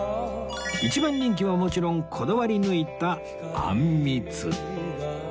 一番人気はもちろんこだわり抜いたあんみつ